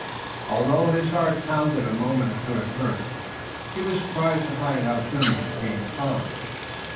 Although his heart pounded a moment or two at first he was surprised to find how soon he became calm.